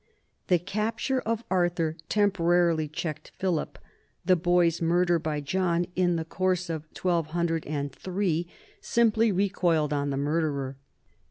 The capture of Arthur temporarily checked Philip; the boy's murder by John in the course of 1203 simply recoiled on the murderer.